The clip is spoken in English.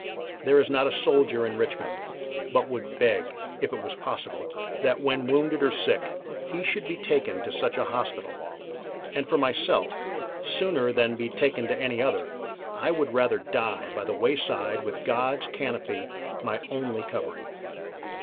There is not a soldier in Richmond but would beg, if it was possible, that when wounded or sick he should to be taken to such an hospital, and for myself, sooner than be taken to any other, I would rather die by the wayside with God's canopy my only covering.